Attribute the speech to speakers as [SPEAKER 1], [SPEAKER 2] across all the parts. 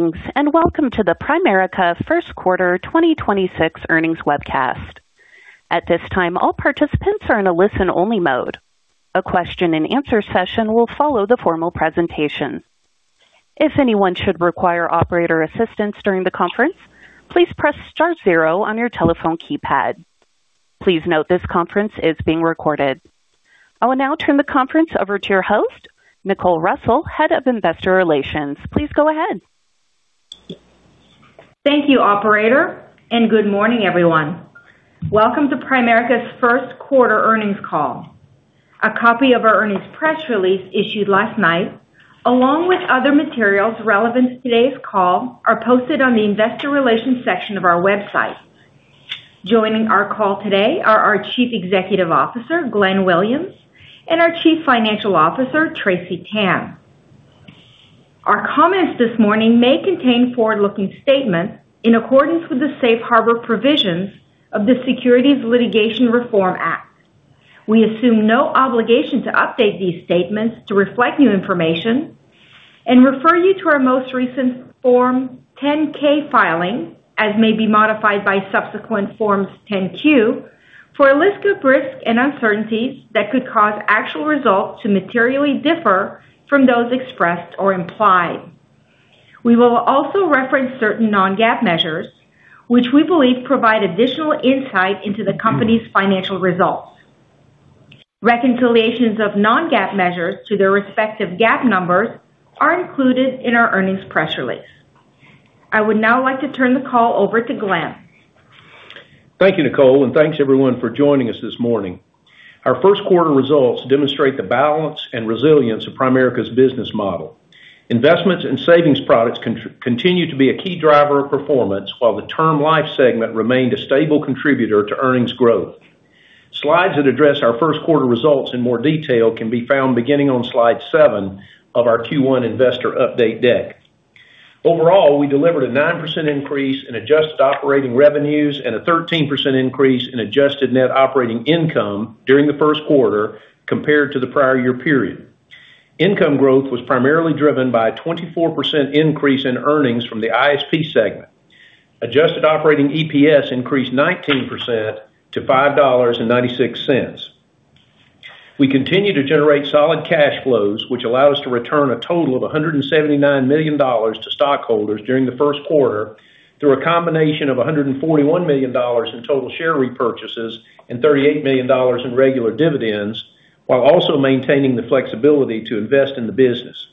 [SPEAKER 1] Thanks. Welcome to the Primerica First Quarter 2026 earnings webcast. At this time, all participants are in a listen-only mode. A question-and-answer session will follow the formal presentation. If anyone should require operator assistance during the conference, please press star 0 on your telephone keypad. Please note this conference is being recorded. I will now turn the conference over to your host, Nicole Russell, Head of Investor Relations. Please go ahead.
[SPEAKER 2] Thank you, operator, and good morning, everyone. Welcome to Primerica's first quarter earnings call. A copy of our earnings press release issued last night, along with other materials relevant to today's call, are posted on the investor relations section of our website. Joining our call today are our Chief Executive Officer, Glenn Williams, and our Chief Financial Officer, Tracy Tan. Our comments this morning may contain forward-looking statements in accordance with the safe harbor provisions of the Private Securities Litigation Reform Act. We assume no obligation to update these statements to reflect new information and refer you to our most recent Form 10-K filing, as may be modified by subsequent Forms 10-Q, for a list of risks and uncertainties that could cause actual results to materially differ from those expressed or implied. We will also reference certain non-GAAP measures which we believe provide additional insight into the company's financial results. Reconciliations of non-GAAP measures to their respective GAAP numbers are included in our earnings press release. I would now like to turn the call over to Glenn.
[SPEAKER 3] Thank you, Nicole, and thanks everyone for joining us this morning. Our first quarter results demonstrate the balance and resilience of Primerica's business model. Investment and Savings Products continue to be a key driver of performance, while the Term Life segment remained a stable contributor to earnings growth. Slides that address our first quarter results in more detail can be found beginning on slide seven of our Q1 investor update deck. Overall, we delivered a 9% increase in adjusted operating revenues and a 13% increase in adjusted net operating income during the first quarter compared to the prior year period. Income growth was primarily driven by a 24% increase in earnings from the ISP segment. Adjusted operating EPS increased 19% to $5.96. We continue to generate solid cash flows, which allow us to return a total of $179 million to stockholders during the first quarter through a combination of $141 million in total share repurchases and $38 million in regular dividends while also maintaining the flexibility to invest in the business.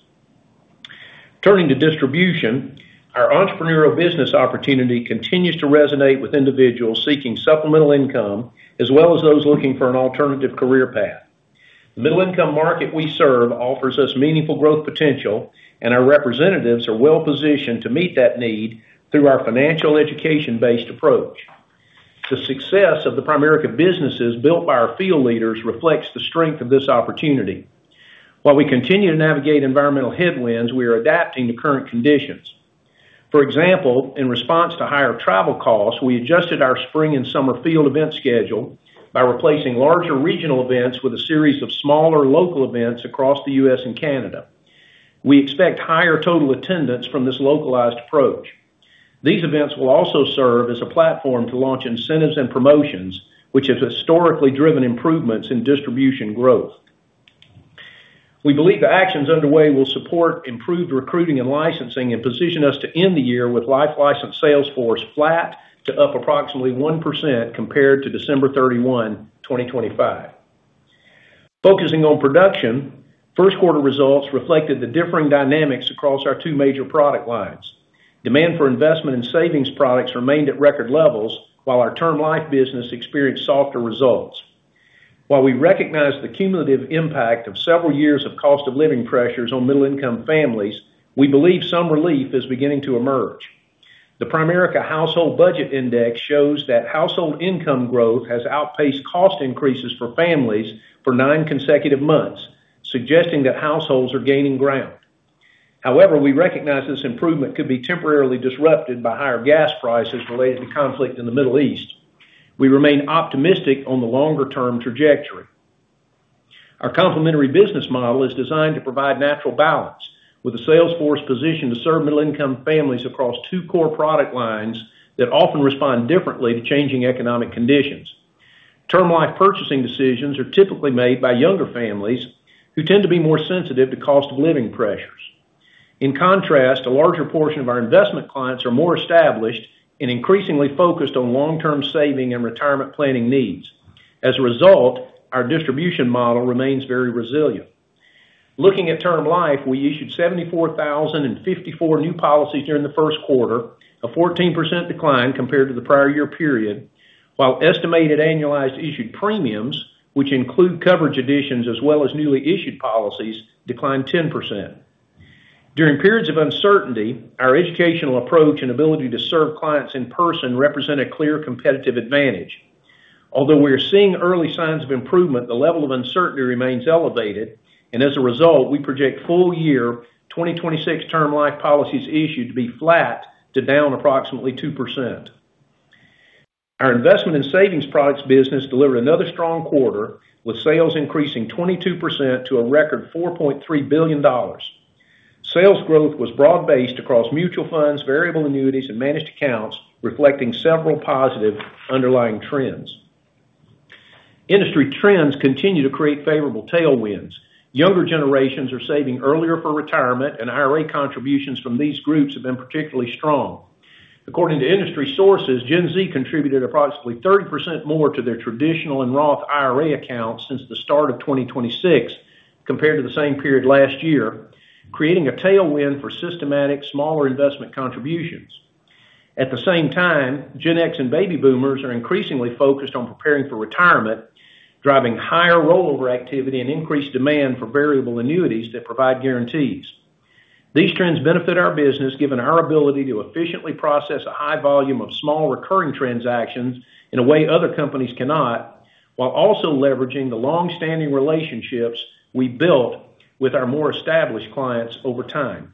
[SPEAKER 3] Turning to distribution, our entrepreneurial business opportunity continues to resonate with individuals seeking supplemental income as well as those looking for an alternative career path. The middle income market we serve offers us meaningful growth potential, and our representatives are well-positioned to meet that need through our financial education-based approach. The success of the Primerica businesses built by our field leaders reflects the strength of this opportunity. While we continue to navigate environmental headwinds, we are adapting to current conditions. For example, in response to higher travel costs, we adjusted our spring and summer field event schedule by replacing larger regional events with a series of smaller local events across the U.S. and Canada. We expect higher total attendance from this localized approach. These events will also serve as a platform to launch incentives and promotions, which have historically driven improvements in distribution growth. We believe the actions underway will support improved recruiting and licensing and position us to end the year with life license sales force flat to up approximately 1% compared to December 31, 2025. Focusing on production, first quarter results reflected the differing dynamics across our two major product lines. Demand for Investment and Savings Products remained at record levels while our Term Life business experienced softer results. While we recognize the cumulative impact of several years of cost of living pressures on middle income families, we believe some relief is beginning to emerge. The Primerica Household Budget Index shows that household income growth has outpaced cost increases for families for nine consecutive months, suggesting that households are gaining ground. However, we recognize this improvement could be temporarily disrupted by higher gas prices related to conflict in the Middle East. We remain optimistic on the longer term trajectory. Our complementary business model is designed to provide natural balance with a sales force positioned to serve middle income families across two core product lines that often respond differently to changing economic conditions. Term Life purchasing decisions are typically made by younger families who tend to be more sensitive to cost of living pressures. In contrast, a larger portion of our investment clients are more established and increasingly focused on long-term saving and retirement planning needs. As a result, our distribution model remains very resilient. Looking at term life, we issued 74,054 new policies during the first quarter, a 14% decline compared to the prior year period, while estimated annualized issued premiums, which include coverage additions as well as newly issued policies, declined 10%. During periods of uncertainty, our educational approach and ability to serve clients in person represent a clear competitive advantage. Although we are seeing early signs of improvement, the level of uncertainty remains elevated, and as a result, we project full year 2026 term life policies issued to be flat to down approximately 2%. Our Investment and Savings Products business delivered another strong quarter, with sales increasing 22% to a record $4.3 billion. Sales growth was broad-based across Mutual Funds, Variable Annuities, and Managed Accounts, reflecting several positive underlying trends. Industry trends continue to create favorable tailwinds. Younger generations are saving earlier for retirement, and IRA contributions from these groups have been particularly strong. According to industry sources, Gen Z contributed approximately 30% more to their traditional and Roth IRA accounts since the start of 2026 compared to the same period last year, creating a tailwind for systematic smaller investment contributions. At the same time, Gen X and baby boomers are increasingly focused on preparing for retirement, driving higher rollover activity and increased demand for Variable Annuities that provide guarantees. These trends benefit our business, given our ability to efficiently process a high volume of small recurring transactions in a way other companies cannot, while also leveraging the long-standing relationships we built with our more established clients over time.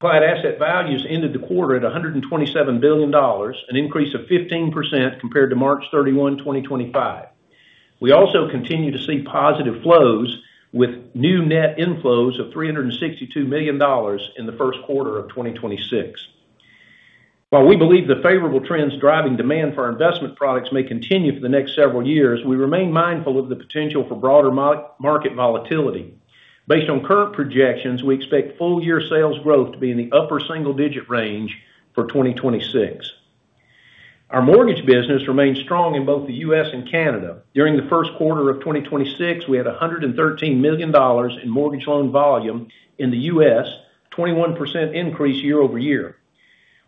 [SPEAKER 3] Client asset values ended the quarter at $127 billion, an increase of 15% compared to March 31, 2025. We also continue to see positive flows with new net inflows of $362 million in the first quarter of 2026. While we believe the favorable trends driving demand for our investment products may continue for the next several years, we remain mindful of the potential for broader market volatility. Based on current projections, we expect full-year sales growth to be in the upper single-digit range for 2026. Our mortgage business remains strong in both the U.S. and Canada. During the first quarter of 2026, we had $113 million in mortgage loan volume in the U.S., a 21% increase year-over-year.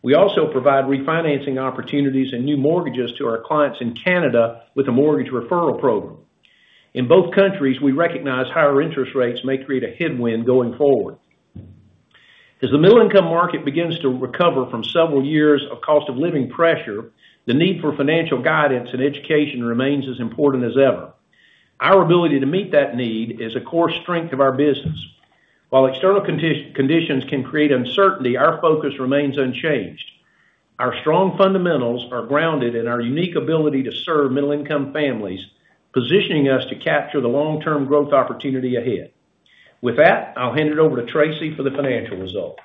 [SPEAKER 3] We also provide refinancing opportunities and new mortgages to our clients in Canada with a mortgage referral program. In both countries, we recognize higher interest rates may create a headwind going forward. As the middle-income market begins to recover from several years of cost of living pressure, the need for financial guidance and education remains as important as ever. Our ability to meet that need is a core strength of our business. While external conditions can create uncertainty, our focus remains unchanged. Our strong fundamentals are grounded in our unique ability to serve middle-income families, positioning us to capture the long-term growth opportunity ahead. With that, I'll hand it over to Tracy for the financial results.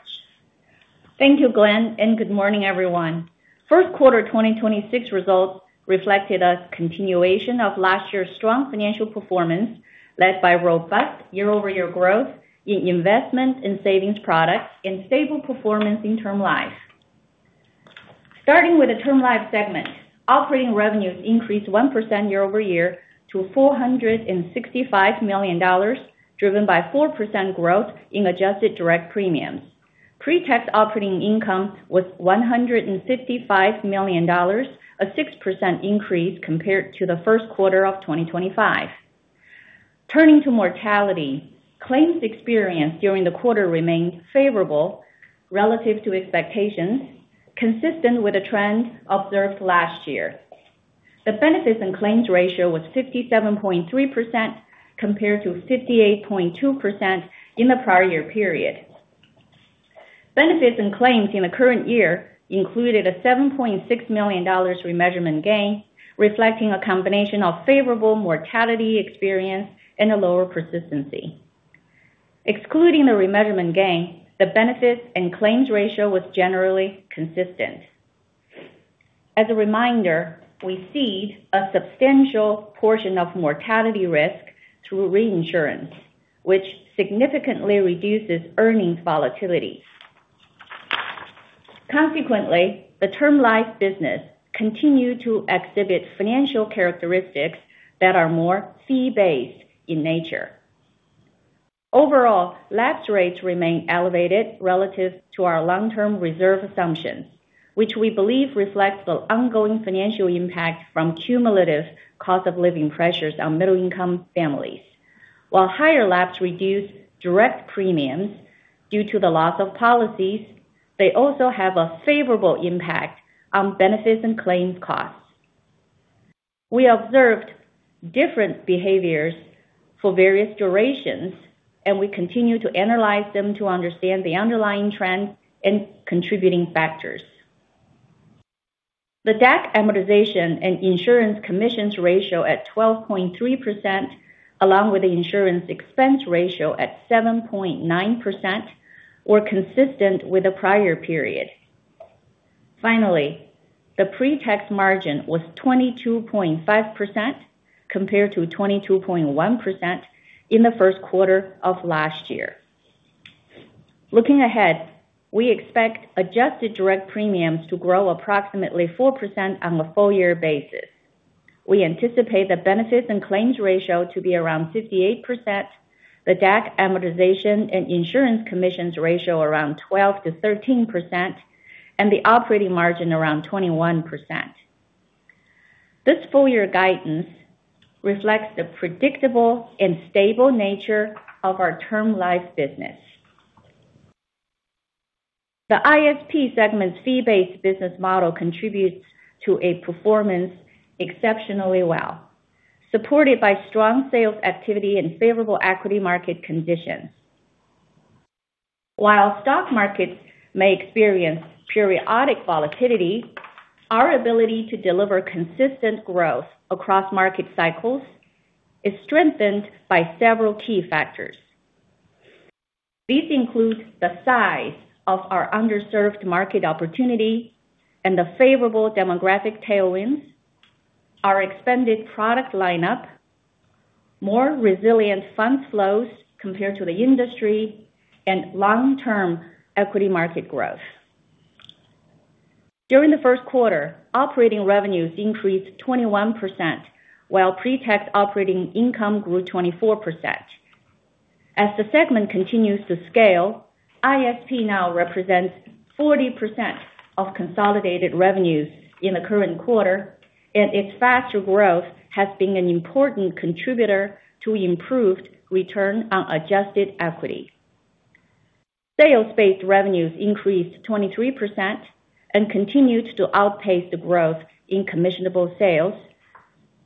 [SPEAKER 4] Thank you, Glenn, and good morning, everyone. First quarter 2026 results reflected a continuation of last year's strong financial performance, led by robust year-over-year growth in Investment and Savings Products and stable performance in Term Life. Starting with the Term Life segment, operating revenues increased 1% year-over-year to $465 million, driven by 4% growth in adjusted direct premiums. Pre-tax operating income was $155 million, a 6% increase compared to the first quarter of 2025. Turning to mortality, claims experience during the quarter remained favorable relative to expectations, consistent with the trend observed last year. The benefits and claims ratio was 57.3% compared to 58.2% in the prior year period. Benefits and claims in the current year included a $7.6 million remeasurement gain, reflecting a combination of favorable mortality experience and a lower persistency. Excluding the remeasurement gain, the benefits and claims ratio was generally consistent. As a reminder, we cede a substantial portion of mortality risk through reinsurance, which significantly reduces earnings volatility. Consequently, the term life business continue to exhibit financial characteristics that are more fee-based in nature. Overall, lapse rates remain elevated relative to our long-term reserve assumptions, which we believe reflects the ongoing financial impact from cumulative cost of living pressures on middle-income families. While higher lapse reduce direct premiums due to the loss of policies, they also have a favorable impact on benefits and claims costs. We observed different behaviors for various durations, we continue to analyze them to understand the underlying trends and contributing factors. The DAC amortization and insurance commissions ratio at 12.3%, along with the insurance expense ratio at 7.9%, were consistent with the prior period. The pre-tax margin was 22.5% compared to 22.1% in the first quarter of last year. Looking ahead, we expect adjusted direct premiums to grow approximately 4% on a full-year basis. We anticipate the benefits and claims ratio to be around 58%, the DAC amortization and insurance commissions ratio around 12%-13%, and the operating margin around 21%. This full year guidance reflects the predictable and stable nature of our Term Life business. The ISP segment's fee-based business model contributes to a performance exceptionally well, supported by strong sales activity and favorable equity market conditions. While stock markets may experience periodic volatility, our ability to deliver consistent growth across market cycles is strengthened by several key factors. These include the size of our underserved market opportunity and the favorable demographic tailwinds, our expanded product lineup, more resilient fund flows compared to the industry, and long term equity market growth. During the first quarter, operating revenues increased 21%, while pre-tax operating income grew 24%. As the segment continues to scale, ISP now represents 40% of consolidated revenues in the current quarter, and its faster growth has been an important contributor to improved return on adjusted equity. Sales based revenues increased 23% and continued to outpace the growth in commissionable sales,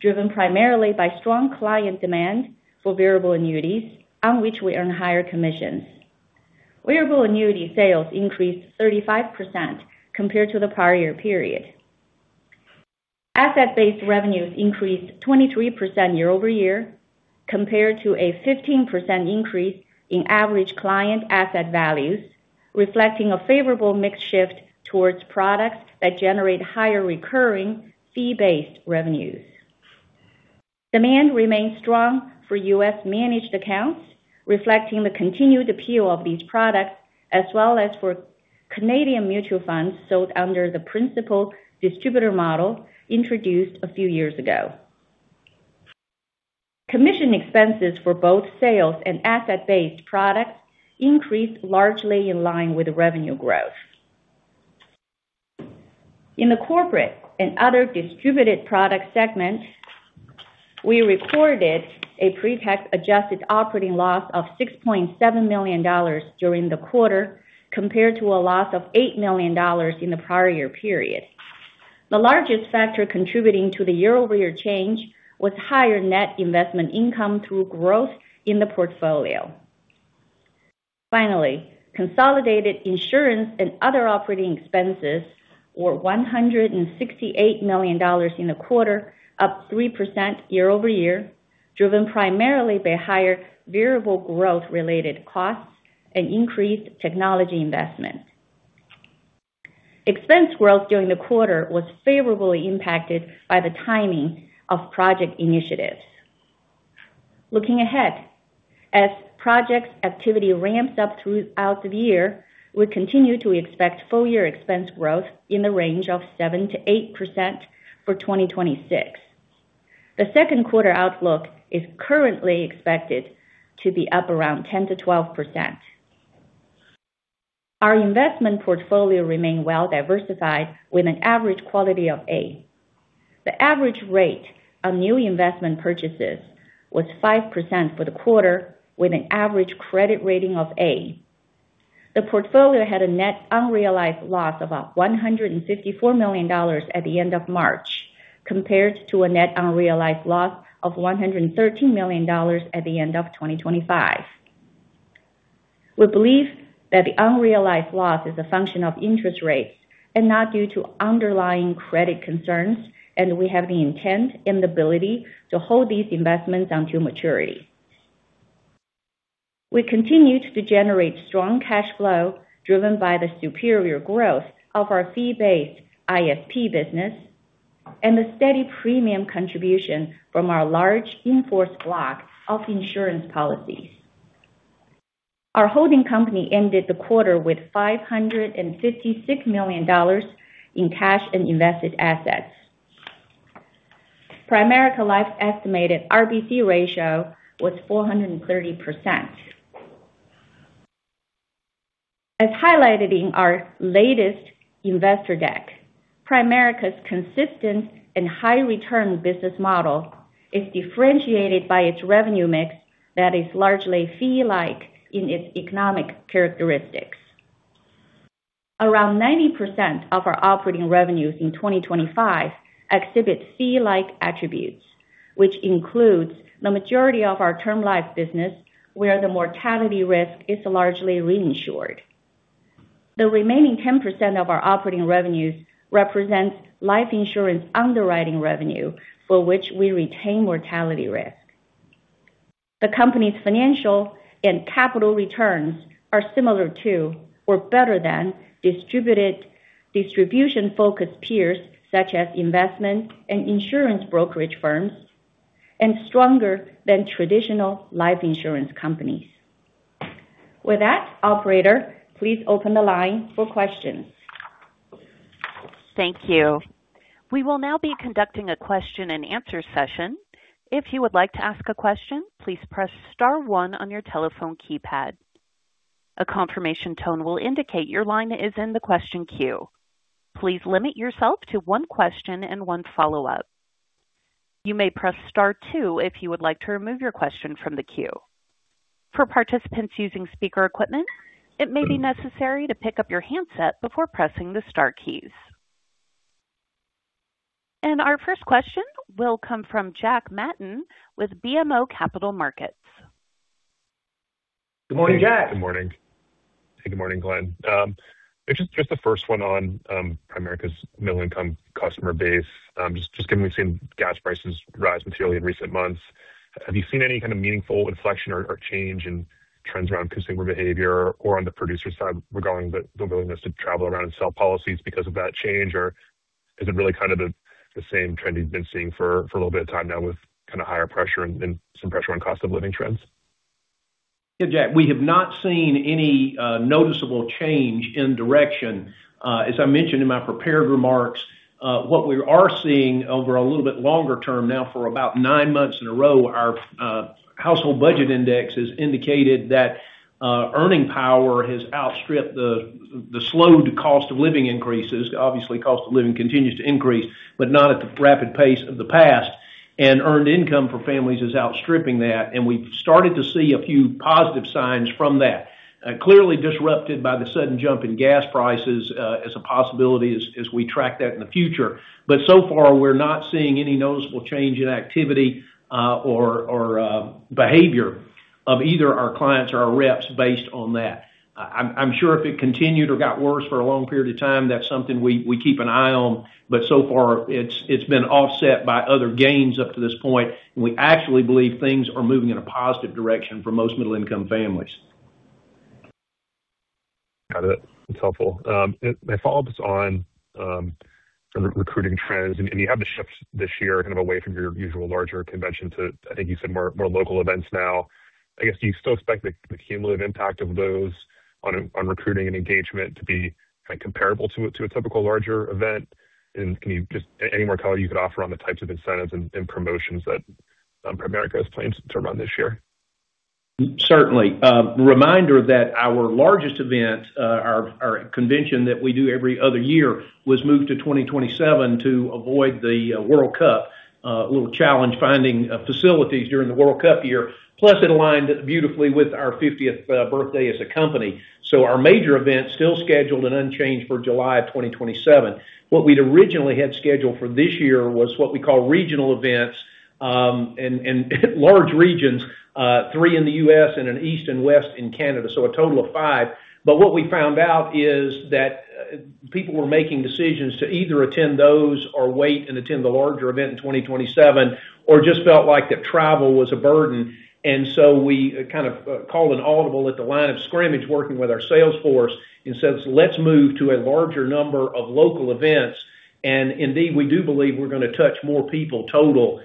[SPEAKER 4] driven primarily by strong client demand for Variable Annuities on which we earn higher commissions. Variable Annuity sales increased 35% compared to the prior year period. Asset-based revenues increased 23% year-over-year compared to a 15% increase in average client asset values, reflecting a favorable mix shift towards products that generate higher recurring fee-based revenues. Demand remains strong for U.S. Managed Accounts, reflecting the continued appeal of these products, as well as for Canadian Mutual Funds sold under the Principal Distributor model introduced a few years ago. Commission expenses for both sales and asset-based products increased largely in line with revenue growth. In the corporate and other distributed product segments, we reported a pre-tax adjusted operating loss of $6.7 million during the quarter, compared to a loss of $8 million in the prior year period. The largest factor contributing to the year-over-year change was higher net investment income through growth in the portfolio. Finally, consolidated insurance and other operating expenses were $168 million in the quarter, up 3% year-over-year, driven primarily by higher variable growth related costs and increased technology investment. Expense growth during the quarter was favorably impacted by the timing of project initiatives. Looking ahead, as project activity ramps up throughout the year, we continue to expect full year expense growth in the range of 7%-8% for 2026. The second quarter outlook is currently expected to be up around 10%-12%. Our investment portfolio remained well diversified with an average quality of A. The average rate on new investment purchases was 5% for the quarter with an average credit rating of A. The portfolio had a net unrealized loss of $154 million at the end of March, compared to a net unrealized loss of $113 million at the end of 2025. We believe that the unrealized loss is a function of interest rates and not due to underlying credit concerns, and we have the intent and ability to hold these investments until maturity. We continued to generate strong cash flow driven by the superior growth of our fee-based ISP business and the steady premium contribution from our large in-force block of insurance policies. Our holding company ended the quarter with $556 million in cash and invested assets. Primerica Life's estimated RBC ratio was 430%. As highlighted in our latest investor deck, Primerica's consistent and high return business model is differentiated by its revenue mix that is largely fee-like in its economic characteristics. Around 90% of our operating revenues in 2025 exhibit fee-like attributes, which includes the majority of our Term Life business, where the mortality risk is largely reinsured. The remaining 10% of our operating revenues represents life insurance underwriting revenue, for which we retain mortality risk. The company's financial and capital returns are similar to or better than distributed distribution focused peers such as investment and insurance brokerage firms, and stronger than traditional life insurance companies. With that, operator, please open the line for questions.
[SPEAKER 1] Thank you. We will now be conducting a question and answer session. If you would like to ask a question, please press star 1 on your telephone keypad. A confirmation tone will indicate your line is in the question queue. Please limit yourself to one question and one follow-up. You may press star 2 if you would like to remove your question from the queue. For participants using speaker equipment, it may be necessary to pick up your handset before pressing the star keys. Our first question will come from Jack Matten with BMO Capital Markets.
[SPEAKER 3] Good morning, Jack.
[SPEAKER 5] Good morning. Hey, good morning, Glenn. Just the first one on Primerica's middle income customer base. Just given we've seen gas prices rise materially in recent months, have you seen any kind of meaningful inflection or change in trends around consumer behavior or on the producer side regarding the willingness to travel around and sell policies because of that change? Is it really kind of the same trend you've been seeing for a little bit of time now with kind of higher pressure and some pressure on cost of living trends?
[SPEAKER 3] Yeah, Jack, we have not seen any noticeable change in direction. As I mentioned in my prepared remarks, what we are seeing over a little bit longer term now for about nine months in a row, our Primerica Household Budget Index has indicated that earning power has outstripped the slowed cost of living increases. Obviously, cost of living continues to increase, but not at the rapid pace of the past. Earned income for families is outstripping that, and we've started to see a few positive signs from that. Clearly disrupted by the sudden jump in gas prices, as a possibility as we track that in the future. So far, we're not seeing any noticeable change in activity, or behavior of either our clients or our reps based on that. I'm sure if it continued or got worse for a long period of time, that's something we keep an eye on, but so far it's been offset by other gains up to this point. We actually believe things are moving in a positive direction for most middle-income families.
[SPEAKER 5] Got it. That's helpful. A follow-up on recruiting trends. You have the shifts this year kind of away from your usual larger convention to, I think you said more, more local events now. I guess, do you still expect the cumulative impact of those on recruiting and engagement to be kind of comparable to a typical larger event? Can you just any more color you could offer on the types of incentives and promotions that Primerica has plans to run this year?
[SPEAKER 3] Certainly. Reminder that our largest event, our convention that we do every other year was moved to 2027 to avoid the World Cup. A little challenge finding facilities during the World Cup year. Plus it aligned beautifully with our 50th birthday as a company. Our major event still scheduled and unchanged for July of 2027. What we'd originally had scheduled for this year was what we call regional events, and large regions, three in the U.S. and an east and west in Canada. A total of five. What we found out is that people were making decisions to either attend those or wait and attend the larger event in 2027, or just felt like that travel was a burden. We kind of called an audible at the line of scrimmage working with our sales force and said, "Let's move to a larger number of local events." Indeed, we do believe we're gonna touch more people total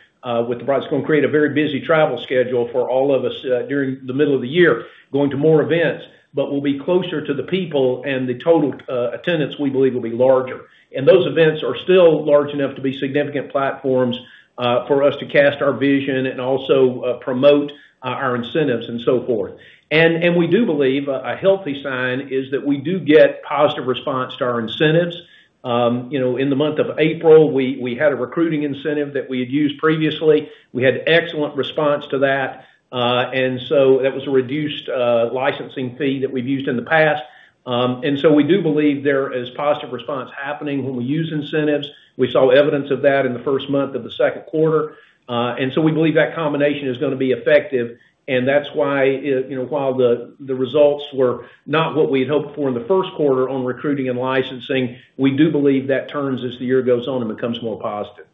[SPEAKER 3] with the products. It's gonna create a very busy travel schedule for all of us during the middle of the year, going to more events. We'll be closer to the people and the total attendance, we believe, will be larger. Those events are still large enough to be significant platforms for us to cast our vision and also promote our incentives and so forth. We do believe a healthy sign is that we do get positive response to our incentives. You know, in the month of April, we had a recruiting incentive that we had used previously. We had excellent response to that. That was a reduced licensing fee that we've used in the past. We do believe there is positive response happening when we use incentives. We saw evidence of that in the first month of the second quarter. We believe that combination is gonna be effective, and that's why, you know, while the results were not what we had hoped for in the first quarter on recruiting and licensing, we do believe that turns as the year goes on and becomes more positive.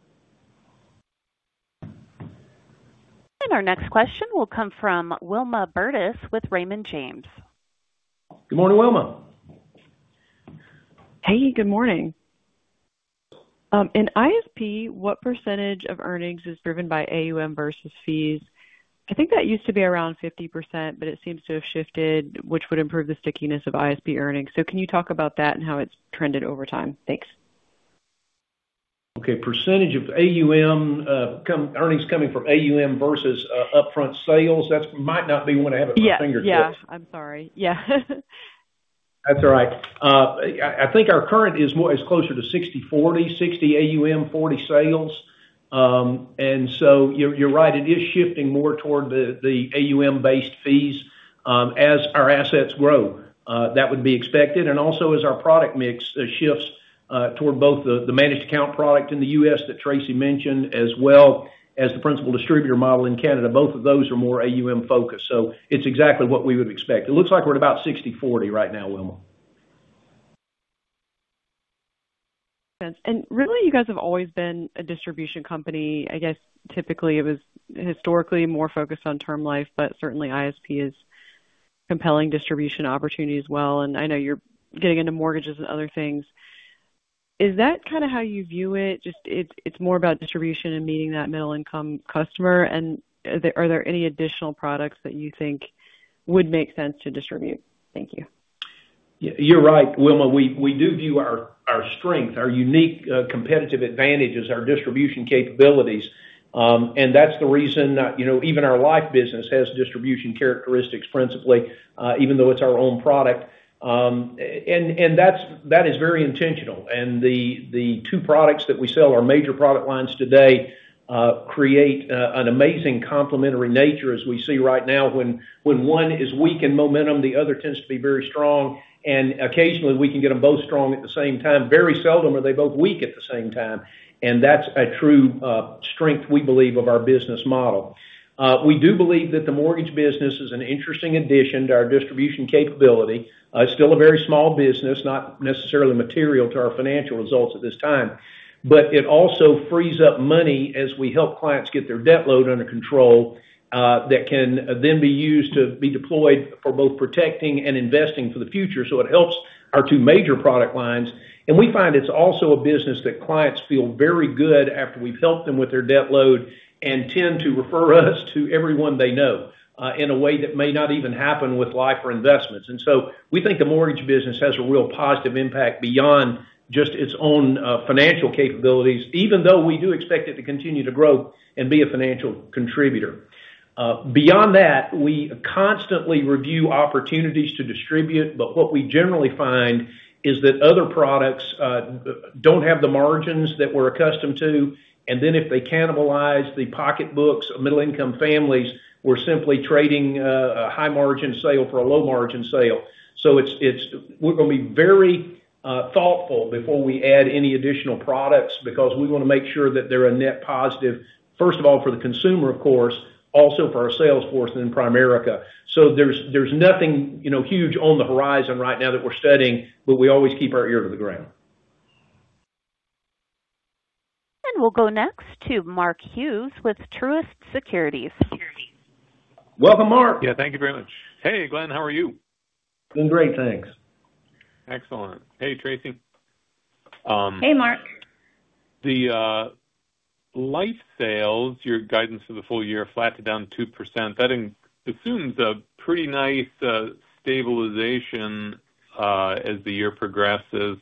[SPEAKER 1] Our next question will come from Wilma Burdis with Raymond James.
[SPEAKER 3] Good morning, Wilma.
[SPEAKER 6] Hey, good morning. In ISP, what % of earnings is driven by AUM versus fees? I think that used to be around 50%, it seems to have shifted, which would improve the stickiness of ISP earnings. Can you talk about that and how it's trended over time? Thanks.
[SPEAKER 3] Okay, % of AUM earnings coming from AUM versus upfront sales. That might not be one I have at my fingertips.
[SPEAKER 6] Yeah. I'm sorry. Yeah.
[SPEAKER 3] That's all right. I think our current is closer to 60, 40. 60 AUM, 40 sales. You're right, it is shifting more toward the AUM-based fees as our assets grow. That would be expected. Also as our product mix shifts toward both the Managed Accounts product in the U.S. that Tracy mentioned, as well as the Principal Distributor model in Canada. Both of those are more AUM-focused, so it's exactly what we would expect. It looks like we're at about 60/40 right now, Wilma.
[SPEAKER 6] Really, you guys have always been a distribution company. I guess typically it was historically more focused on term life, but certainly ISP is compelling distribution opportunity as well. I know you're getting into mortgages and other things. Is that kind of how you view it? Just it's more about distribution and meeting that middle-income customer? Are there any additional products that you think would make sense to distribute? Thank you.
[SPEAKER 3] You're right, Wilma. We do view our strength, our unique competitive advantage is our distribution capabilities. That's the reason, you know, even our life business has distribution characteristics principally, even though it's our own product. That is very intentional. The two products that we sell, our major product lines today create an amazing complementary nature as we see right now when one is weak in momentum, the other tends to be very strong, and occasionally we can get them both strong at the same time. Very seldom are they both weak at the same time, that's a true strength we believe of our business model. We do believe that the mortgage business is an interesting addition to our distribution capability. It's still a very small business, not necessarily material to our financial results at this time. It also frees up money as we help clients get their debt load under control, that can then be used to be deployed for both protecting and investing for the future. It helps our two major product lines, and we find it's also a business that clients feel very good after we've helped them with their debt load and tend to refer us to everyone they know, in a way that may not even happen with life or investments. We think the mortgage business has a real positive impact beyond just its own financial capabilities, even though we do expect it to continue to grow and be a financial contributor. Beyond that, we constantly review opportunities to distribute, but what we generally find is that other products don't have the margins that we're accustomed to, and then if they cannibalize the pocketbooks of middle-income families, we're simply trading a high margin sale for a low margin sale. We're gonna be very thoughtful before we add any additional products because we wanna make sure that they're a net positive, first of all, for the consumer, of course, also for our sales force and in Primerica. There's nothing, you know, huge on the horizon right now that we're studying, but we always keep our ear to the ground.
[SPEAKER 1] We'll go next to Mark Hughes with Truist Securities.
[SPEAKER 3] Welcome, Mark.
[SPEAKER 7] Thank you very much. Hey, Glenn, how are you?
[SPEAKER 3] Doing great, thanks.
[SPEAKER 7] Excellent. Hey, Tracy.
[SPEAKER 4] Hey, Mark.
[SPEAKER 7] The life sales, your guidance for the full year, flat to down 2%, that assumes a pretty nice stabilization as the year progresses.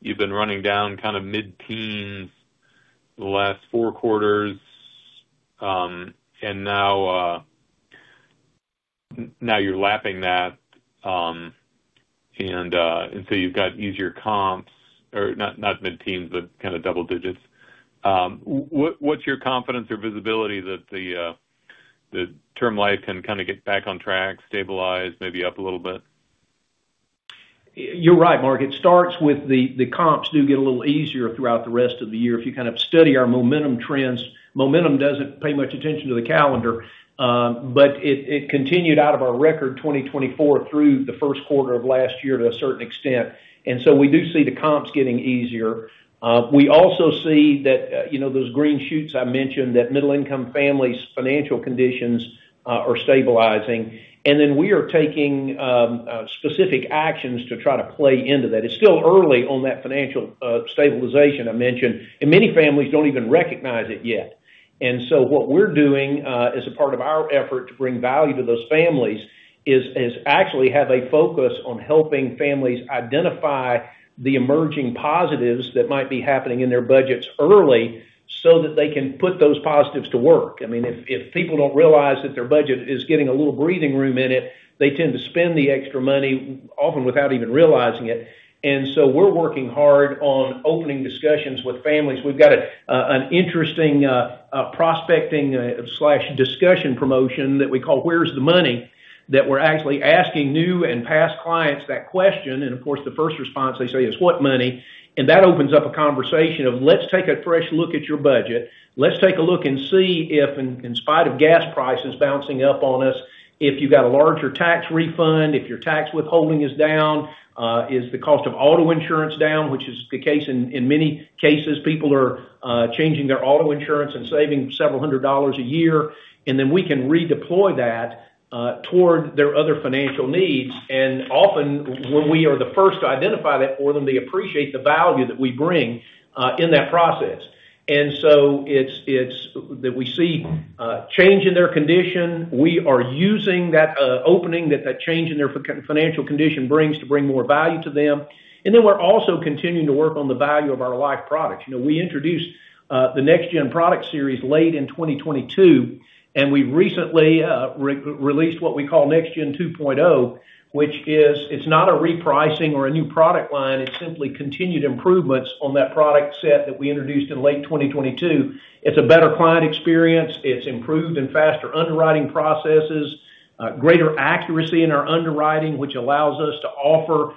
[SPEAKER 7] You've been running down kind of mid-teens the last four quarters, and now you're lapping that, and so you've got easier comps or not mid-teens, but kind of double digits. What's your confidence or visibility that the Term Life can kind of get back on track, stabilize, maybe up a little bit?
[SPEAKER 3] You're right, Mark. It starts with the comps do get a little easier throughout the rest of the year. If you kind of study our momentum trends, momentum doesn't pay much attention to the calendar, but it continued out of our record 2024 through the first quarter of last year to a certain extent. We do see the comps getting easier. We also see that, you know, those green shoots I mentioned, that middle-income families' financial conditions are stabilizing. We are taking specific actions to try to play into that. It's still early on that financial stabilization I mentioned, and many families don't even recognize it yet. What we're doing, as a part of our effort to bring value to those families is actually have a focus on helping families identify the emerging positives that might be happening in their budgets early so that they can put those positives to work. I mean, if people don't realize that their budget is getting a little breathing room in it, they tend to spend the extra money, often without even realizing it. We're working hard on opening discussions with families. We've got an interesting prospecting/discussion promotion that we call Where's the Money? That we're actually asking new and past clients that question. Of course, the first response they say is, "What money?" That opens up a conversation of, let's take a fresh look at your budget. Let's take a look and see if in spite of gas prices bouncing up on us, if you got a larger tax refund, if your tax withholding is down, is the cost of auto insurance down, which is the case in many cases, people are changing their auto insurance and saving several $100 a year. Then we can redeploy that toward their other financial needs. Often when we are the first to identify that for them, they appreciate the value that we bring in that process. So it's that we see change in their condition. We are using that opening that that change in their financial condition brings to bring more value to them. Then we're also continuing to work on the value of our life products. You know, we introduced the NextGen product series late in 2022, and we recently re-released what we call NextGen 2.0, which is it's not a repricing or a new product line, it's simply continued improvements on that product set that we introduced in late 2022. It's a better client experience. It's improved and faster underwriting processes, greater accuracy in our underwriting, which allows us to offer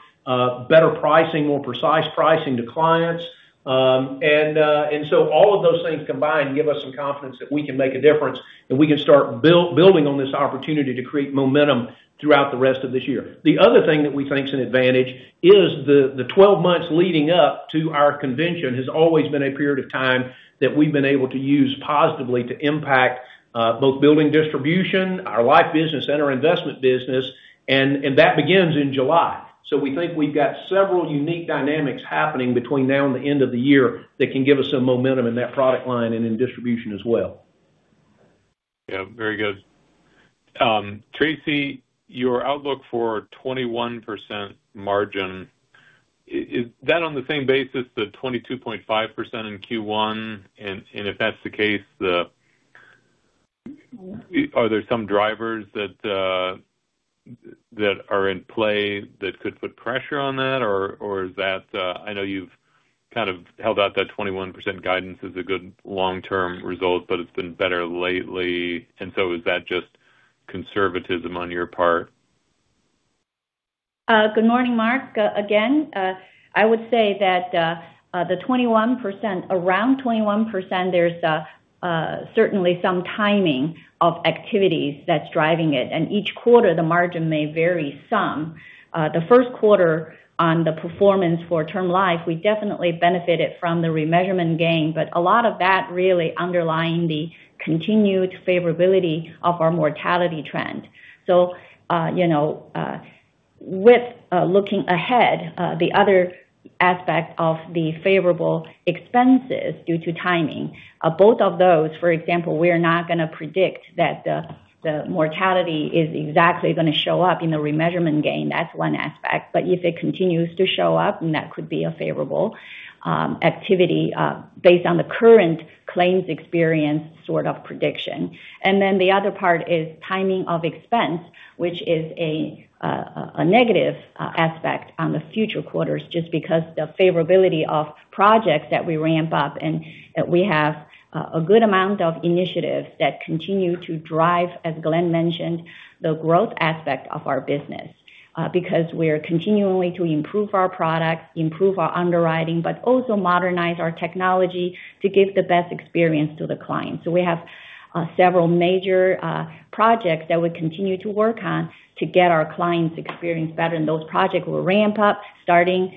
[SPEAKER 3] better pricing, more precise pricing to clients. All of those things combined give us some confidence that we can make a difference, and we can start building on this opportunity to create momentum throughout the rest of this year. The other thing that we think is an advantage is the 12 months leading up to our convention has always been a period of time that we've been able to use positively to impact both building distribution, our life business and our investment business, and that begins in July. We think we've got several unique dynamics happening between now and the end of the year that can give us some momentum in that product line and in distribution as well.
[SPEAKER 7] Yeah, very good. Tracy, your outlook for 21% margin, is that on the same basis, the 22.5% in Q1? If that's the case, are there some drivers that are in play that could put pressure on that? Is that I know you've kind of held out that 21% guidance is a good long-term result, but it's been better lately. Is that just conservatism on your part?
[SPEAKER 4] Good morning, Mark. Again, I would say that, around 21%, there's certainly some timing of activities that's driving it. Each quarter the margin may vary some. The first quarter on the performance for Term Life, we definitely benefited from the remeasurement gain, but a lot of that really underlying the continued favorability of our mortality trend. You know, with looking ahead, the other aspect of the favorable expenses due to timing, both of those, for example, we're not gonna predict that the mortality is exactly gonna show up in the remeasurement gain. That's one aspect. If it continues to show up, then that could be a favorable activity, based on the current claims experience sort of prediction. The other part is timing of expense, which is a negative aspect on the future quarters, just because the favorability of projects that we ramp up and that we have a good amount of initiatives that continue to drive, as Glenn mentioned, the growth aspect of our business. We're continually to improve our product, improve our underwriting, but also modernize our technology to give the best experience to the client. We have several major projects that we continue to work on to get our clients' experience better. Those projects will ramp up starting,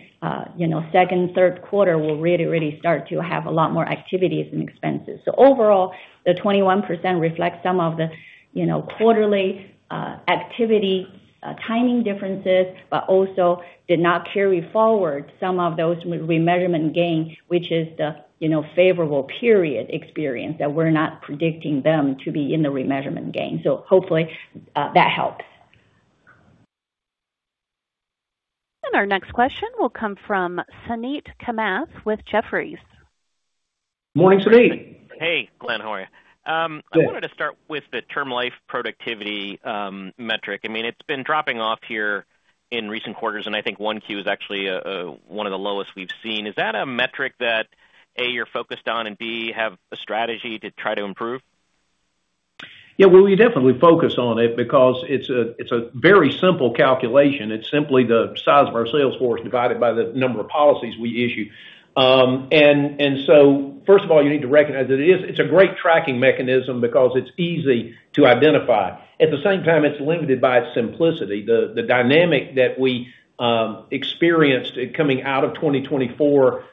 [SPEAKER 4] you know, second, third quarter, we'll really start to have a lot more activities and expenses. Overall, the 21% reflects some of the, you know, quarterly activity, timing differences, but also did not carry forward some of those remeasurement gain, which is the, you know, favorable period experience that we're not predicting them to be in the remeasurement gain. Hopefully, that helps.
[SPEAKER 1] Our next question will come from Suneet Kamath with Jefferies.
[SPEAKER 3] Morning, Suneet.
[SPEAKER 8] Hey, Glenn. How are you?
[SPEAKER 3] Good.
[SPEAKER 8] I wanted to start with the term life productivity metric. I mean, it's been dropping off here in recent quarters, and I think 1Q is actually one of the lowest we've seen. Is that a metric that, A, you're focused on, and B, have a strategy to try to improve?
[SPEAKER 3] Well, we definitely focus on it because it's a very simple calculation. It's simply the size of our sales force divided by the number of policies we issue. First of all, you need to recognize that it's a great tracking mechanism because it's easy to identify. At the same time, it's limited by its simplicity. The dynamic that we experienced coming out of 2024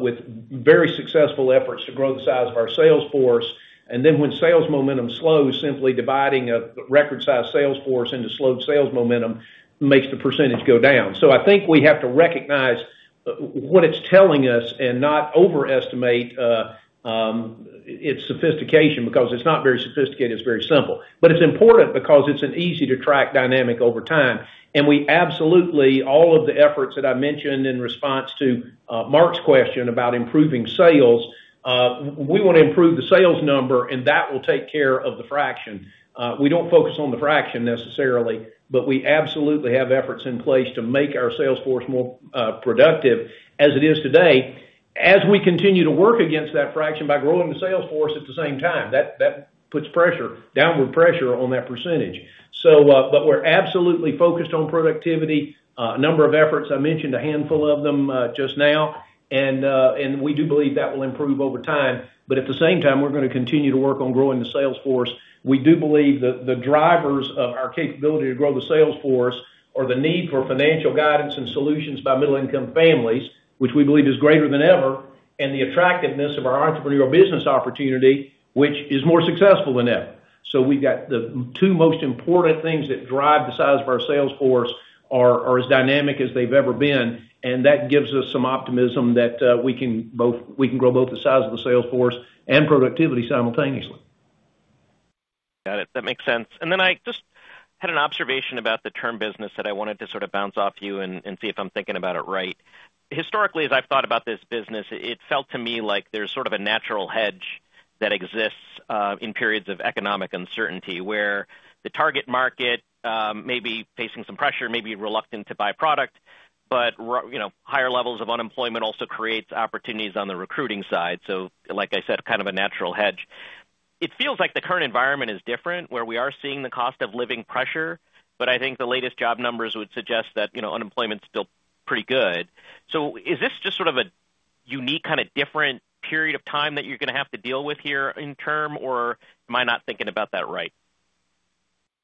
[SPEAKER 3] with very successful efforts to grow the size of our sales force, when sales momentum slows, simply dividing a record size sales force into slowed sales momentum makes the percentage go down. I think we have to recognize what it's telling us and not overestimate its sophistication, because it's not very sophisticated, it's very simple. It's important because it's an easy to track dynamic over time. We absolutely, all of the efforts that I mentioned in response to Mark's question about improving sales, we wanna improve the sales number, and that will take care of the fraction. We don't focus on the fraction necessarily, but we absolutely have efforts in place to make our sales force more productive as it is today, as we continue to work against that fraction by growing the sales force at the same time. That puts pressure, downward pressure on that percentage. But we're absolutely focused on productivity. A number of efforts, I mentioned a handful of them just now, and we do believe that will improve over time. At the same time, we're gonna continue to work on growing the sales force. We do believe that the drivers of our capability to grow the sales force are the need for financial guidance and solutions by middle-income families, which we believe is greater than ever, and the attractiveness of our entrepreneurial business opportunity, which is more successful than ever. We've got the two most important things that drive the size of our sales force are as dynamic as they've ever been, and that gives us some optimism that we can grow both the size of the sales force and productivity simultaneously.
[SPEAKER 8] Got it. That makes sense. I just had an observation about the term business that I wanted to sort of bounce off you and see if I'm thinking about it right. Historically, as I've thought about this business, it felt to me like there's sort of a natural hedge that exists in periods of economic uncertainty, where the target market may be facing some pressure, may be reluctant to buy product, but you know, higher levels of unemployment also creates opportunities on the recruiting side. Like I said, kind of a natural hedge. It feels like the current environment is different, where we are seeing the cost of living pressure, but I think the latest job numbers would suggest that, you know, unemployment's still pretty good. Is this just sort of a unique kind of different period of time that you're gonna have to deal with here in term, or am I not thinking about that right?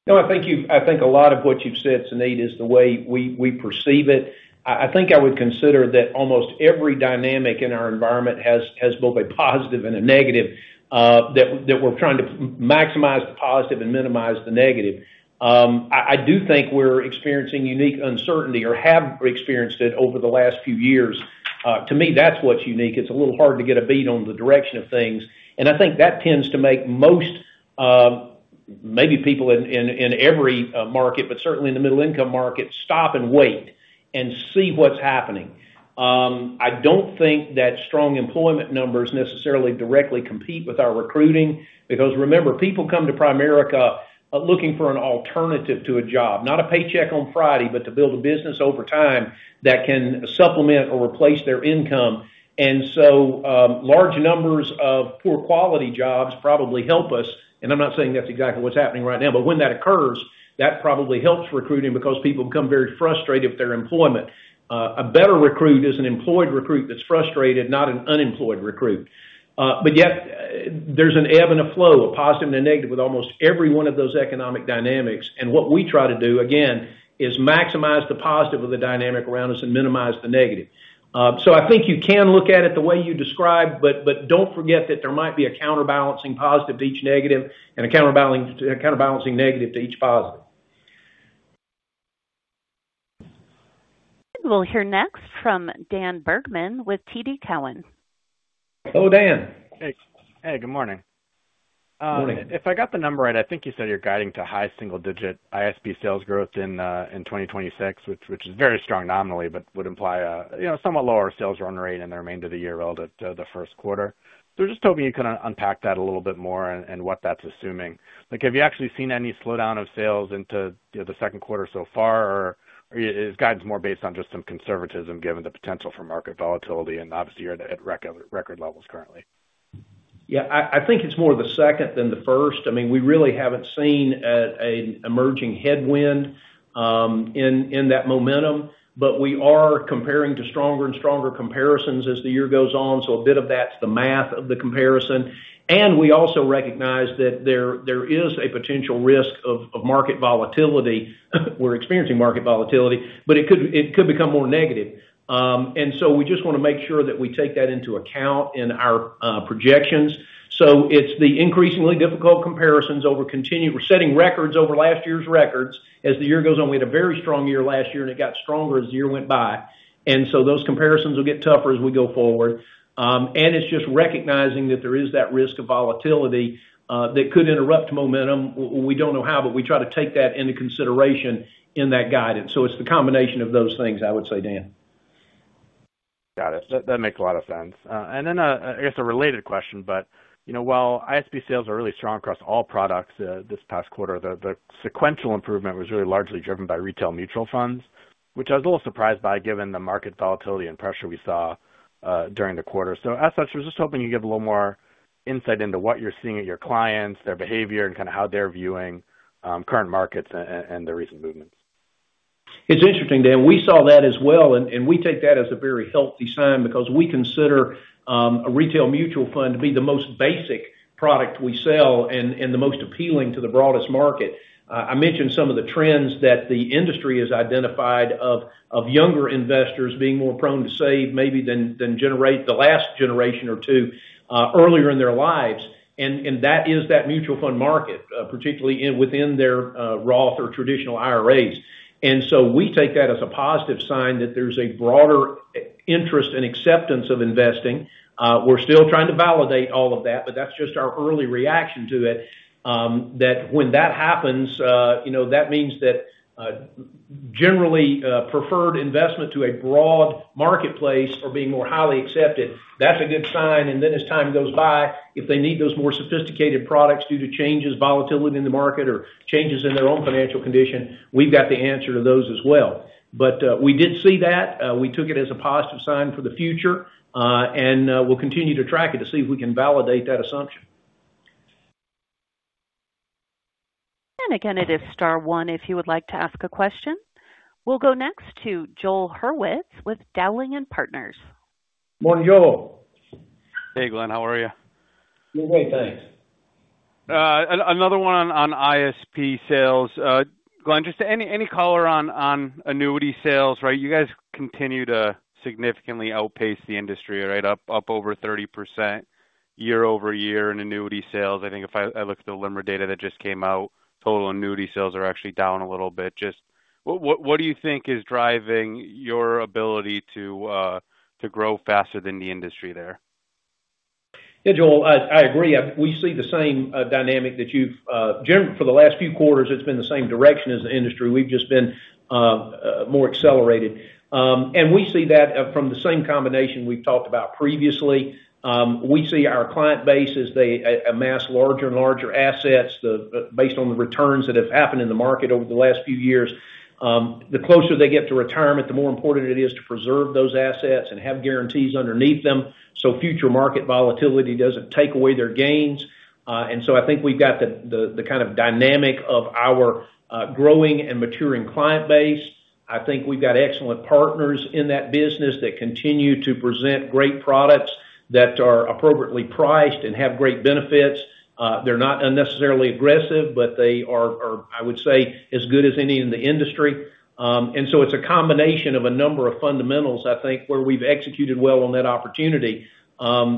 [SPEAKER 3] No, I think a lot of what you've said, Suneet, is the way we perceive it. I think I would consider that almost every dynamic in our environment has both a positive and a negative that we're trying to maximize the positive and minimize the negative. I do think we're experiencing unique uncertainty or have experienced it over the last few years. To me, that's what's unique. It's a little hard to get a beat on the direction of things, and I think that tends to make most maybe people in every market, but certainly in the middle income market, stop and wait. See what's happening. I don't think that strong employment numbers necessarily directly compete with our recruiting because remember, people come to Primerica looking for an alternative to a job, not a paycheck on Friday, but to build a business over time that can supplement or replace their income. Large numbers of poor quality jobs probably help us, and I'm not saying that's exactly what's happening right now, but when that occurs, that probably helps recruiting because people become very frustrated with their employment. A better recruit is an employed recruit that's frustrated, not an unemployed recruit. There's an ebb and a flow, a positive and a negative with almost every one of those economic dynamics. What we try to do, again, is maximize the positive of the dynamic around us and minimize the negative. I think you can look at it the way you describe, but don't forget that there might be a counterbalancing positive to each negative and a counterbalancing negative to each positive.
[SPEAKER 1] We'll hear next from Dan Bergman with TD Cowen.
[SPEAKER 3] Hello, Dan.
[SPEAKER 9] Hey. Hey, good morning.
[SPEAKER 3] Morning.
[SPEAKER 9] If I got the number right, I think you said you're guiding to high single-digit ISP sales growth in 2026, which is very strong nominally, but would imply a, you know, somewhat lower sales run rate in the remainder of the year relative to the first quarter. Just hoping you can unpack that a little bit more and what that's assuming. Like, have you actually seen any slowdown of sales into, you know, the second quarter so far? Or is guidance more based on just some conservatism given the potential for market volatility? Obviously you're at record levels currently.
[SPEAKER 3] Yeah, I think it's more the second than the first. I mean, we really haven't seen an emerging headwind in that momentum. We are comparing to stronger and stronger comparisons as the year goes on. A bit of that's the math of the comparison. We also recognize that there is a potential risk of market volatility. We're experiencing market volatility, but it could become more negative. We just want to make sure that we take that into account in our projections. It's the increasingly difficult comparisons. We're setting records over last year's records as the year goes on. We had a very strong year last year. It got stronger as the year went by. Those comparisons will get tougher as we go forward. It's just recognizing that there is that risk of volatility that could interrupt momentum. We don't know how, but we try to take that into consideration in that guidance. It's the combination of those things, I would say, Dan.
[SPEAKER 9] Got it. That makes a lot of sense. And then, I guess a related question, but, you know, while ISP sales are really strong across all products, this past quarter, the sequential improvement was really largely driven by retail Mutual Funds, which I was a little surprised by, given the market volatility and pressure we saw during the quarter. As such, I was just hoping you give a little more insight into what you're seeing at your clients, their behavior, and kind of how they're viewing current markets and the recent movements.
[SPEAKER 3] It's interesting, Dan. We saw that as well, and we take that as a very healthy sign because we consider a retail mutual fund to be the most basic product we sell and the most appealing to the broadest market. I mentioned some of the trends that the industry has identified of younger investors being more prone to save maybe than generate the last generation or two earlier in their lives. That is that mutual fund market, particularly within their Roth or traditional IRAs. We take that as a positive sign that there's a broader interest and acceptance of investing. We're still trying to validate all of that, but that's just our early reaction to it. That when that happens, that means that generally preferred investment to a broad marketplace are being more highly accepted. That's a good sign. As time goes by, if they need those more sophisticated products due to changes, volatility in the market or changes in their own financial condition, we've got the answer to those as well. We did see that. We took it as a positive sign for the future, and we'll continue to track it to see if we can validate that assumption.
[SPEAKER 1] Again, it is star one, if you would like to ask a question. We'll go next to Joel Hurwitz with Dowling & Partners.
[SPEAKER 3] Bonjour.
[SPEAKER 10] Hey, Glenn. How are you?
[SPEAKER 3] I'm great, thanks.
[SPEAKER 10] Another one on ISP sales. Glenn, just any color on annuity sales, right? You guys continue to significantly outpace the industry, right? Up over 30% year-over-year in annuity sales. I think if I look at the LIMRA data that just came out, total annuity sales are actually down a little bit. Just what do you think is driving your ability to grow faster than the industry there?
[SPEAKER 3] Joel, I agree. We see the same dynamic that you've generally for the last few quarters, it's been the same direction as the industry. We've just been more accelerated. We see that from the same combination we've talked about previously. We see our client base as they amass larger and larger assets, based on the returns that have happened in the market over the last few years. The closer they get to retirement, the more important it is to preserve those assets and have guarantees underneath them, so future market volatility doesn't take away their gains. I think we've got the kind of dynamic of our growing and maturing client base. I think we've got excellent partners in that business that continue to present great products that are appropriately priced and have great benefits. They're not unnecessarily aggressive, but they are, I would say, as good as any in the industry. It's a combination of a number of fundamentals, I think, where we've executed well on that opportunity,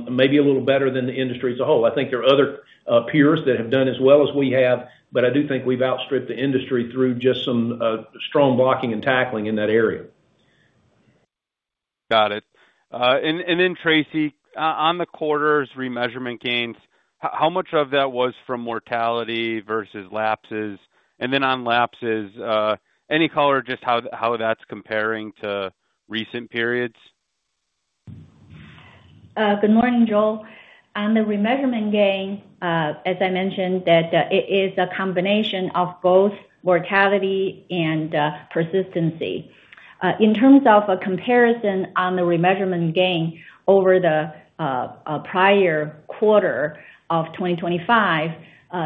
[SPEAKER 3] maybe a little better than the industry as a whole. I think there are other peers that have done as well as we have, but I do think we've outstripped the industry through just some strong blocking and tackling in that area.
[SPEAKER 10] Got it. Tracy, on the quarters remeasurement gains, how much of that was from mortality versus lapses? On lapses, any color just how that's comparing to recent periods?
[SPEAKER 4] Good morning, Joel. On the remeasurement gain, as I mentioned that, it is a combination of both mortality and persistency. In terms of a comparison on the remeasurement gain over the prior quarter of 2025,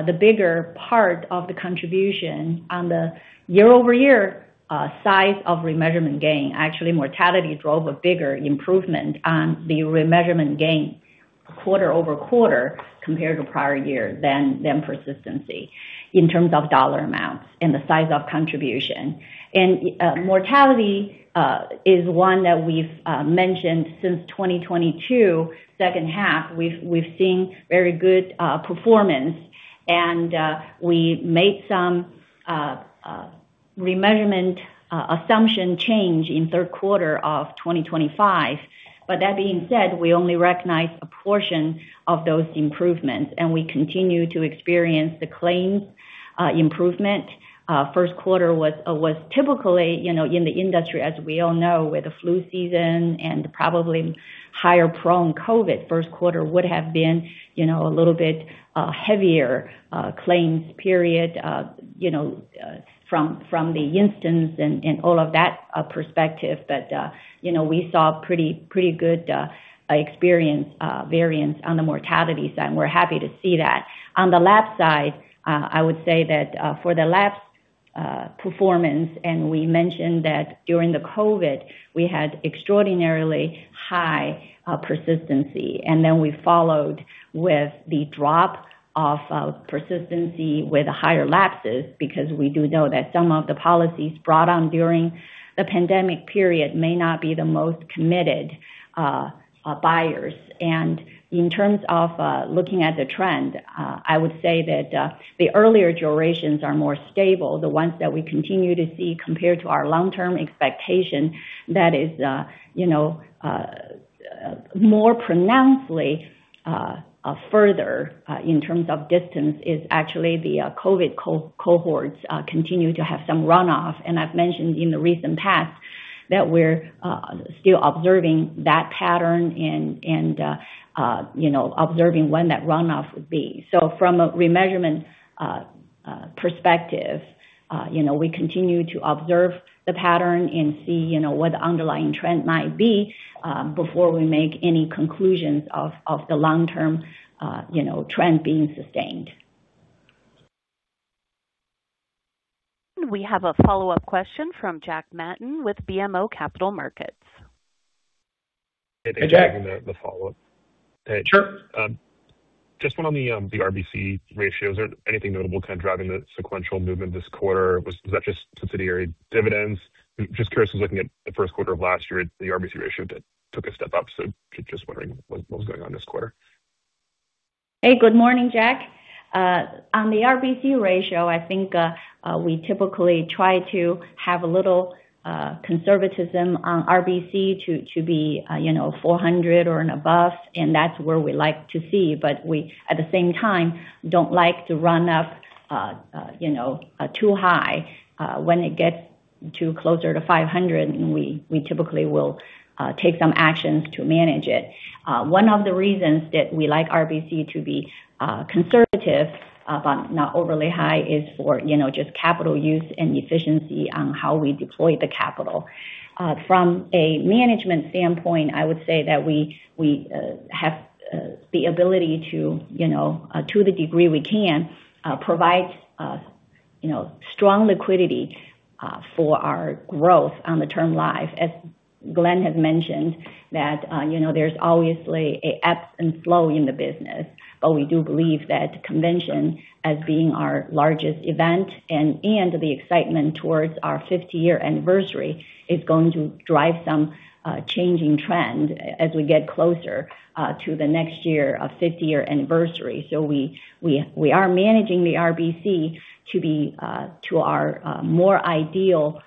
[SPEAKER 4] the bigger part of the contribution on the year-over-year size of remeasurement gain, actually mortality drove a bigger improvement on the remeasurement gain quarter-over-quarter compared to prior year than persistency in terms of dollar amounts and the size of contribution. Mortality is one that we've mentioned since 2022, second half. We've seen very good performance and we made some remeasurement assumption change in third quarter of 2025. That being said, we only recognize a portion of those improvements, and we continue to experience the claims improvement. First quarter was typically in the industry, as we all know, with the flu season and probably higher prone COVID, first quarter would have been a little bit heavier claims period from the instance and all of that perspective. We saw pretty good experience variance on the mortality side, and we're happy to see that. On the lapse side, I would say that for the lapse performance, and we mentioned that during the COVID, we had extraordinarily high persistency, and then we followed with the drop of persistency with higher lapses because we do know that some of the policies brought on during the pandemic period may not be the most committed buyers. In terms of looking at the trend, I would say that the earlier durations are more stable. The ones that we continue to see compared to our long-term expectation that is, you know, more pronouncedly, further, in terms of distance is actually the COVID cohorts continue to have some runoff. I've mentioned in the recent past that we're still observing that pattern and, you know, observing when that runoff would be. From a remeasurement perspective, you know, we continue to observe the pattern and see, you know, what the underlying trend might be, before we make any conclusions of the long-term, you know, trend being sustained.
[SPEAKER 1] We have a follow-up question from Jack Matten with BMO Capital Markets.
[SPEAKER 3] Hey, Jack.
[SPEAKER 5] Thanks for taking the follow-up. Hey.
[SPEAKER 3] Sure.
[SPEAKER 5] Just one on the RBC ratios. Anything notable kind of driving the sequential movement this quarter? Was that just subsidiary dividends? Just curious, I was looking at the first quarter of last year, the RBC ratio that took a step up, just wondering what was going on this quarter.
[SPEAKER 4] Hey, good morning, Jack. On the RBC ratio, I think, we typically try to have a little conservatism on RBC to be, you know, 400 or and above, and that's where we like to see. We, at the same time, don't like to run up, you know, too high. When it gets to closer to 500, we typically will take some actions to manage it. One of the reasons that we like RBC to be conservative, but not overly high is for, you know, just capital use and efficiency on how we deploy the capital. From a management standpoint, I would say that we have the ability to, you know, to the degree we can, provide, you know, strong liquidity for our growth on the Term Life. As Glenn has mentioned that, you know, there's obviously a ebb and flow in the business, but we do believe that convention as being our largest event and the excitement towards our 50-year anniversary is going to drive some changing trend as we get closer to the next year of 50-year anniversary. We are managing the RBC to be to our more ideal,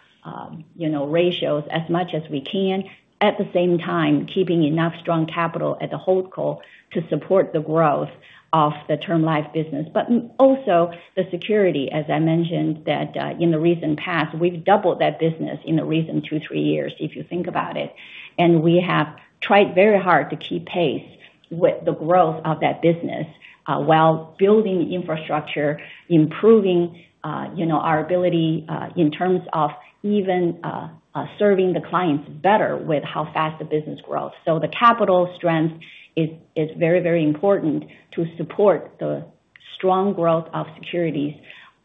[SPEAKER 4] you know, ratios as much as we can. At the same time, keeping enough strong capital at the holdco to support the growth of the Term Life business, but also the security. As I mentioned that, in the recent past, we've doubled that business in the recent two, three years if you think about it. We have tried very hard to keep pace with the growth of that business, while building infrastructure, improving, you know, our ability in terms of even serving the clients better with how fast the business grows. The capital strength is very, very important to support the strong growth of securities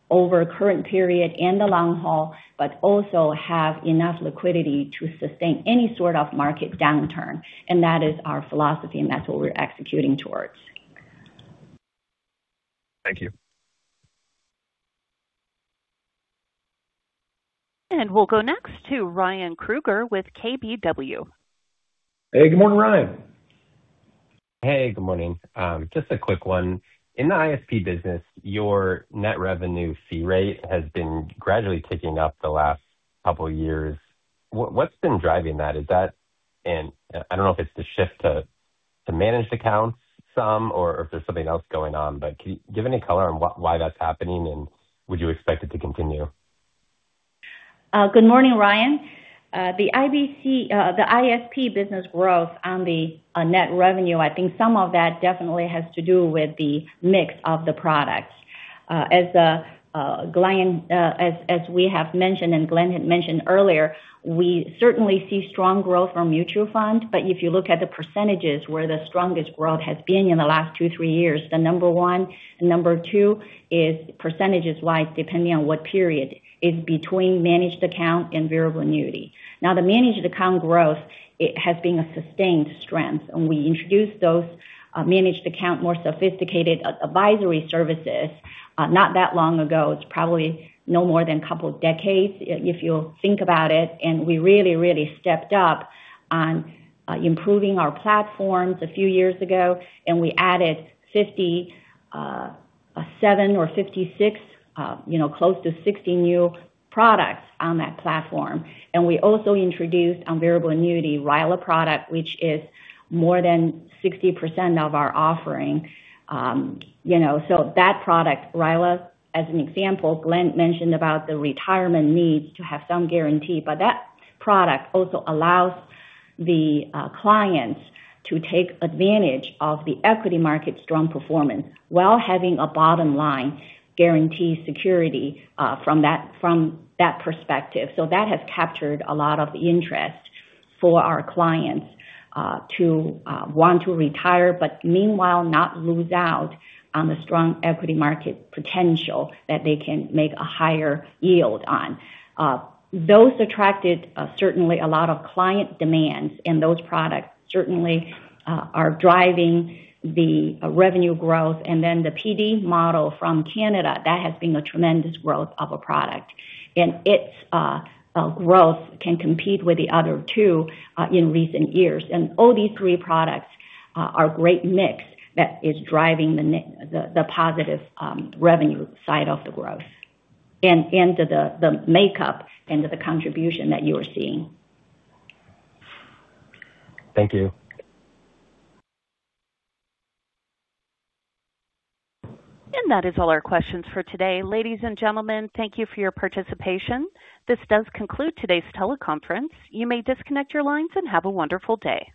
[SPEAKER 4] over current period and the long haul, but also have enough liquidity to sustain any sort of market downturn. That is our philosophy, and that's what we're executing towards.
[SPEAKER 5] Thank you.
[SPEAKER 1] We'll go next to Ryan Krueger with KBW.
[SPEAKER 3] Hey, good morning, Ryan.
[SPEAKER 11] Hey, good morning. Just a quick one. In the ISP business, your net revenue fee rate has been gradually ticking up the last couple years. What's been driving that? I don't know if it's the shift to Managed Accounts some or if there's something else going on. Can you give any color on why that's happening, and would you expect it to continue?
[SPEAKER 4] Good morning, Ryan. The ISP business growth on the net revenue, I think some of that definitely has to do with the mix of the products. As Glenn had mentioned earlier, we certainly see strong growth from Mutual Funds. If you look at the percentages where the strongest growth has been in the last two, three years, the number one and number two is percentages wise, depending on what period, is between Managed Accounts and Variable Annuities. The Managed Accounts growth, it has been a sustained strength. We introduced those Managed Accounts more sophisticated advisory services not that long ago. It's probably no more than two decades if you think about it. We really stepped up on improving our platforms a few years ago. We added 57 or 56, close to 60 new products on that platform. We also introduced on Variable Annuity, RILA product, which is more than 60% of our offering. That product, RILA, as an example, Glenn mentioned about the retirement needs to have some guarantee. That product also allows the clients to take advantage of the equity market's strong performance while having a bottom line guarantee security from that perspective. That has captured a lot of interest for our clients to want to retire, but meanwhile not lose out on the strong equity market potential that they can make a higher yield on. Those attracted, certainly a lot of client demands, and those products certainly are driving the revenue growth. Then the PD model from Canada, that has been a tremendous growth of a product. Its growth can compete with the other two in recent years. All these three products are great mix that is driving the positive revenue side of the growth and the makeup and the contribution that you are seeing.
[SPEAKER 11] Thank you.
[SPEAKER 1] That is all our questions for today. Ladies and gentlemen, thank you for your participation. This does conclude today's teleconference. You may disconnect your lines and have a wonderful day.